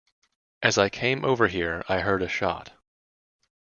As I came over here, I heard a shot.